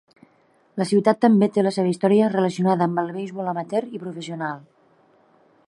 La ciutat també té la seva història relacionada amb el beisbol amateur i professional.